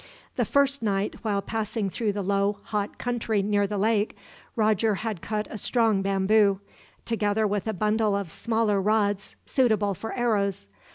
The first night, while passing through the low, hot country near the lake, Roger had cut a strong bamboo; together with a bundle of smaller rods, suitable for arrows.